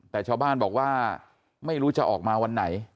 แต่ชาวบ้านบอกว่าไม่รู้จะออกมาวันไหน